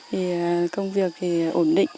thì công việc thì ổn định